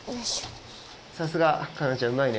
さすが環奈ちゃんうまいね。